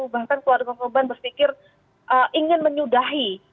bahkan keluarga korban berpikir ingin menyudahi